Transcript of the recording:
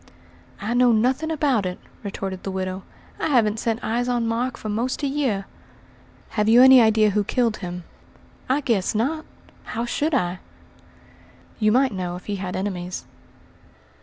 "I know nothing about it," retorted the widow. "I haven't set eyes on Mark for most a year." "Have you any idea who killed him?" "I guess not! How should I?" "You might know if he had enemies."